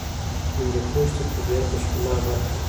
هندوکش د طبیعت د ښکلا برخه ده.